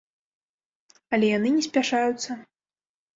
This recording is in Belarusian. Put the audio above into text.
Але яны не спяшаюцца.